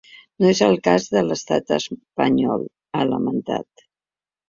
No és el cas de l’estat espanyol, ha lamentat.